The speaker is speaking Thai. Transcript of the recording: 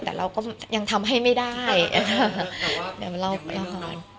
แต่เราก็ยังทำให้ไม่ได้แต่ว่าเรียกมาเล่าก่อน